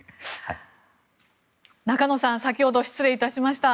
中野さん、先ほどは失礼致しました。